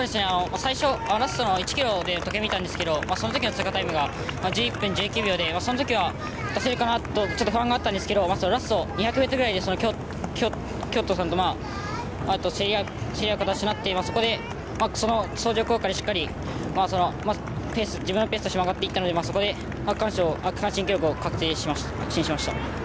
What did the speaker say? ラスト１ｋｍで時計を見たんですがその時の通過タイムが１１分１９秒でその時は出せるかなという不安があったんですがラスト２００ｍぐらいで京都さんと競り合う形になってそこで相乗効果でしっかり自分のペースが上がっていったのでそこで区間新記録を確信しました。